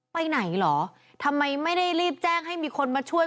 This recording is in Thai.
ไปไหนเหรอทำไมไม่ได้รีบแจ้งให้มีคนมาช่วย